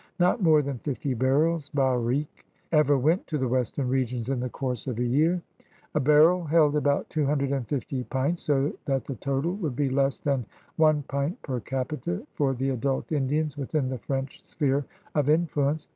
Not more than fifty barrels (barriques) ever went to the western regions in the course of a THE COUREURS DE BOIS 177 year. A barrel held about two hundred and fifty pints, so that the total would be less than one pmt per capita for the adult Indians within the French fifphere of influence.